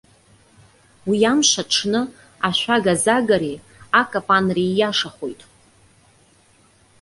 Уи амш аҽны, ашәага-загареи, акапанреи ииашахоит.